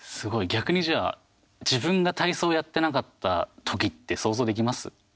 逆にじゃあ、自分が体操やってなかったときって想像できます？